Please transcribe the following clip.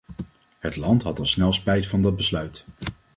Het land had al snel spijt van dat besluit.